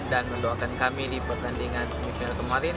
dan mendoakan kami di pertandingan semisional kemarin